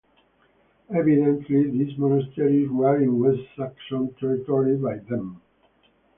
Evidently these monasteries were in West Saxon territory by then.